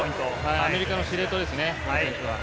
アメリカの司令塔ですね。